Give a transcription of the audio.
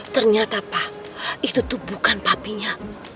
ternyata pak itu tuh bukan papinya